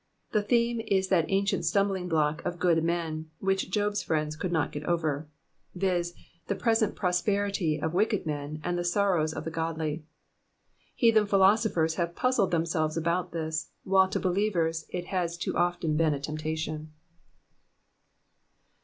The theme is that ancient stumbling block of good men. which Job's friends could not get over ; viz.— the pre,*fent prosperity of wick&l men and the sorrows of the godly. Heathen phil osophers have puzzled thenhselves about this, while to believers it has too often been a temptation.